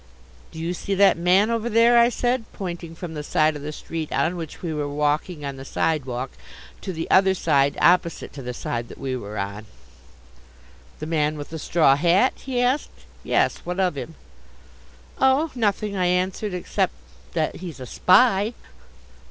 "Do you see that man over there?" I said, pointing from the side of the street on which we were walking on the sidewalk to the other side opposite to the side that we were on. "The man with the straw hat?" he asked. "Yes, what of him?" "Oh, nothing," I answered, "except that he's a Spy!"